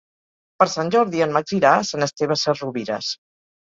Per Sant Jordi en Max irà a Sant Esteve Sesrovires.